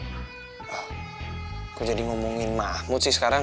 oh kok jadi ngomongin mahmud sih sekarang